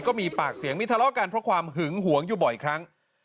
ก็มีปากเสียงมีทะเลาะกันเพราะความหึงหวงอยู่บ่อยครั้ง